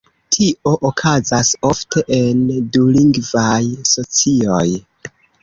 Tio okazas ofte en dulingvaj socioj.